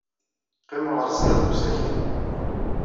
Qqimeɣ ɣer sdat deg usakal.